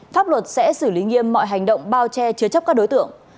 pháp luật sẽ xử lý nghiêm mọi hành động bao che chứa chấp các đối tượng